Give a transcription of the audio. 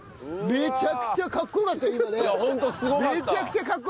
めちゃくちゃかっこよかった。